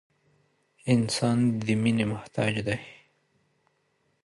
• انسان د مینې محتاج دی.